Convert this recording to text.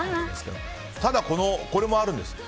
ただ、これもあるんです。